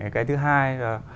cái thứ hai là